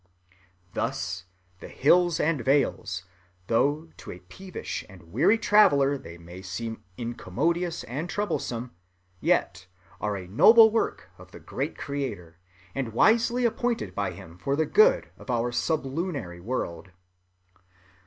"[Thus] the hills and vales, though to a peevish and weary traveler they may seem incommodious and troublesome, yet are a noble work of the great Creator, and wisely appointed by him for the good of our sublunary world."